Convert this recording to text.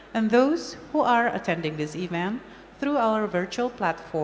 dan mereka yang menghadiri acara ini melalui platform virtual kami